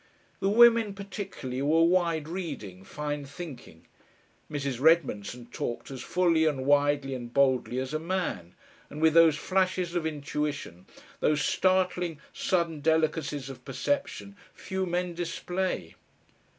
The women particularly were wide reading, fine thinking. Mrs. Redmondson talked as fully and widely and boldly as a man, and with those flashes of intuition, those startling, sudden delicacies of perception few men display.